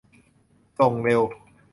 ส่งเร็ว